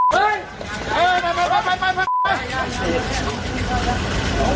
เพลง